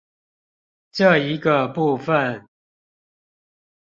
這一個部分